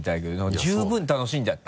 十分楽しんじゃった。